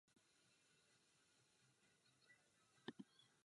Domníváte se, že to pro evropské občany nepředstavuje problém?